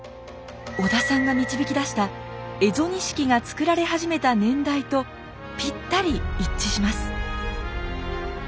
小田さんが導き出した蝦夷錦が作られ始めた年代とぴったり一致します。